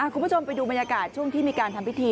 คุณผู้ชมไปดูบรรยากาศช่วงที่มีการทำพิธี